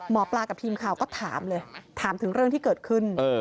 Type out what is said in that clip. หมอปลากับทีมข่าวก็ถามเลยถามถึงเรื่องที่เกิดขึ้น